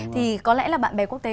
thì có lẽ là bạn bè quốc tế